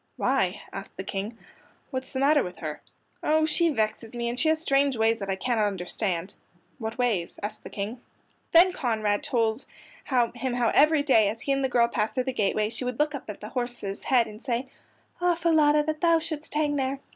"Why?" asked the King. "What is the matter with her?" "Oh, she vexes me, and she has strange ways that I cannot understand." "What ways?" asked the King. Then Conrad told him how every day as he and the girl passed through the gateway she would look up at the horse's head and say: "Ah, Falada, that thou shouldst hang there!"